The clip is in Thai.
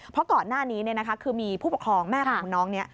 เพราะก่อนหน้านี้คือมีผู้ปกครองแม่ของน้องนี้